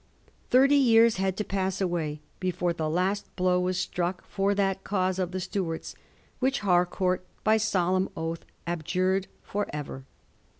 Thirty years had to pass away before the last blow was struck for that cause of the Stuarts which Harcourt by solemn oath abjured for ever.